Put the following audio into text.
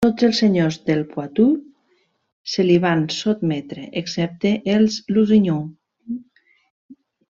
Tots els senyors del Poitou se li van sotmetre, excepte els Lusignan.